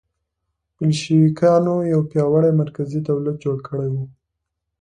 بلشویکانو یو پیاوړی مرکزي دولت جوړ کړی و